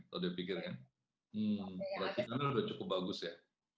berarti klubnya sudah cukup bagus ya